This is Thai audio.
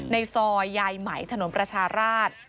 ในซอยยายไหมถนนประชาราช